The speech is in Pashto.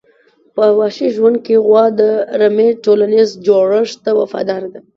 په وحشي ژوند کې غوا د رمي ټولنیز جوړښت ته وفاداره ده.